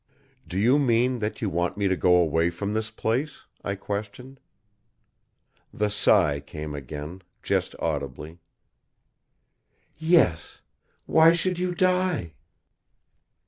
"Do you mean that you want me to go away from this place?" I questioned. The sigh came again, just audibly. "Yes. Why should you die?"